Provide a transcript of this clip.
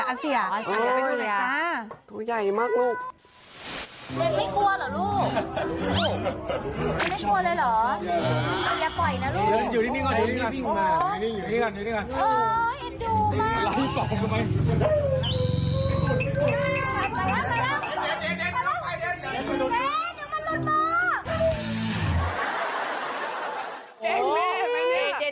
อ๋อไปดูไหนแซ่